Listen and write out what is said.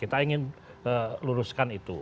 kita ingin luruskan itu